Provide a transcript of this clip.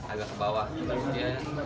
agak kebawah gitu ya